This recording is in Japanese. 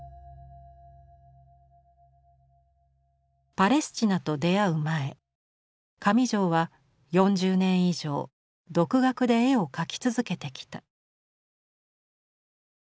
パレスチナと出会う前上條は４０年以上独学で絵を描き続けてきた。